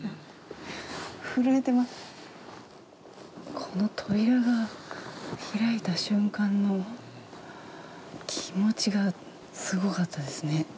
この扉が開いた瞬間の気持ちがすごかったですね。